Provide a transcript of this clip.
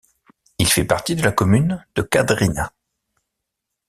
Il fait partie de la commune de Kadrina.